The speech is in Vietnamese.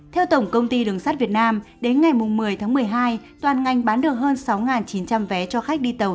theo tổng công ty đường sắt việt nam đến ngày một mươi tháng một mươi hai toàn ngành bán được hơn sáu chín trăm linh vé cho khách đi tàu